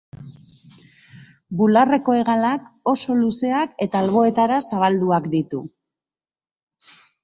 Bularreko hegalak oso luzeak eta alboetara zabalduak ditu.